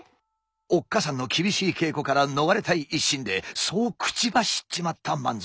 おっかさんの厳しい稽古から逃れたい一心でそう口走っちまった万蔵。